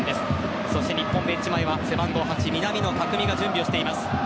そして日本、ベンチ前は南野拓実が準備しています。